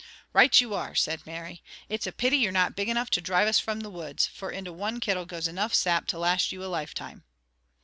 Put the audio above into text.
"Right you are!" said Mary. "It's a pity you're not big enough to drive us from the woods, for into one kittle goes enough sap to last you a lifetime."